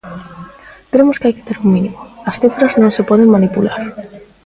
Cremos que hai que ter un mínimo, as cifras non se poden manipular.